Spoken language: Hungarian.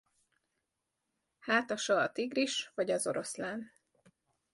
Hátasa a tigris vagy az oroszlán.